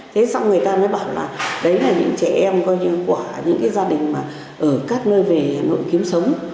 thế xong người ta mới bảo là đấy là những trẻ em coi như quả những cái gia đình mà ở các nơi về hà nội kiếm sống